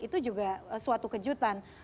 itu juga suatu kejutan